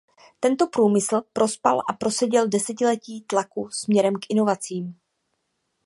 Tento průmysl prospal a proseděl desetiletí tlaku směrem k inovacím.